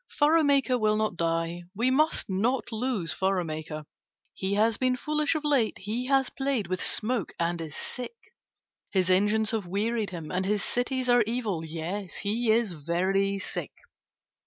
"Furrow maker will not die. We must not lose furrow maker. He has been foolish of late, he has played with smoke and is sick. His engines have wearied him and his cities are evil. Yes, he is very sick.